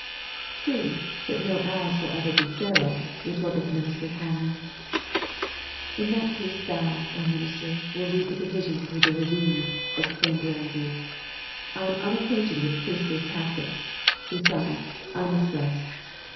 "True, but no ass will ever be pharaoh," retorted the minister, calmly. "In that case thou, O minister, wilt lead the division through the ravine!" exclaimed Rameses. "I am unacquainted with priestly tactics; besides, I must rest.